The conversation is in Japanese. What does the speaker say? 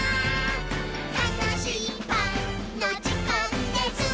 「たのしいパンのじかんです！」